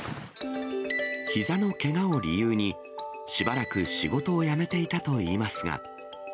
ひざのけがを理由にしばらく仕事をやめていたといいますが。